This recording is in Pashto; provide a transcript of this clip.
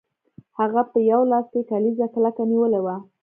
هغه په یو لاس کې کلیزه کلکه نیولې وه